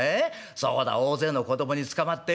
そうだ大勢の子供に捕まってよ